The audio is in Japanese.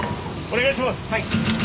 お願いします。